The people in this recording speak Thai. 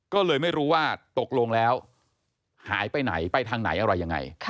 ก็เลยไม่รู้ว่าตกลงแล้วหายไปไหนไปทางไหนอะไรยังไง